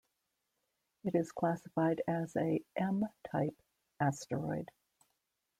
It is classified as a M-type asteroid.